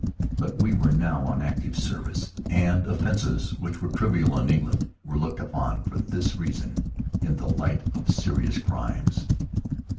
But we were now on active service, and offenses which were trivial in England were looked upon, for this reason, in the light of serious crimes.